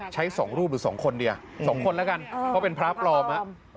สองรูปหรือ๒คนดี๒คนแล้วกันเพราะเป็นพระปลอม